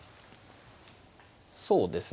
そうですね。